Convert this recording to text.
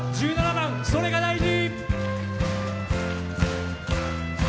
１７番「それが大事」。